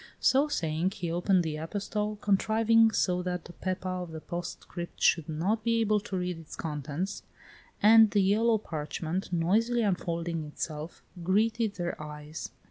So saying, he opened the epistle, contriving so that the Pepa of the postscript should not be able to read its contents, and the yellow parchment, noisily unfolding itself, greeted their eyes.